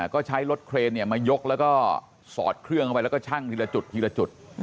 ก็ใช้รถเครนมายกแล้วก็สอดเครื่องเข้าไปแล้วก็ชั่งทีละจุดทีละจุด